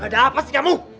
ada apa sih kamu